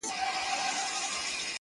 زما کار نسته بُتکده کي؛ تر کعبې پوري.